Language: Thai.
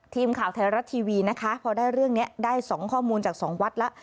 ทีมข่าวไทยรัฐทีวีนะคะพอได้เรื่องนี้ได้๒ข้อมูลจากสองวัดแล้ว